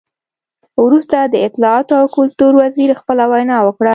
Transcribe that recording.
وروسته د اطلاعاتو او کلتور وزیر خپله وینا وکړه.